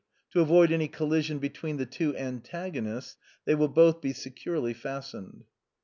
To avoid any collision between the two antagonists, they will both be securely fastened.